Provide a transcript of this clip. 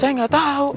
aku ga tau